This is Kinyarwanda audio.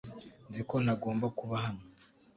Nzi ko ntagomba kuba hano